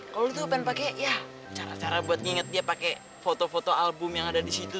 kalau lu tuhan pakai ya cara cara buat nginget dia pakai foto foto album yang ada di situ